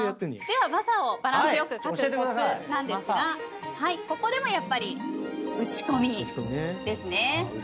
では「昌」をバランスよく書くコツなんですがここでもやっぱりうちこみですね。